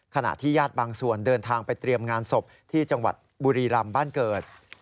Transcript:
ขณะที่ญาติบางส่วนเดินทางไปเตรียมงานศพที่จังหวัดบุรีรำบ้านเกิด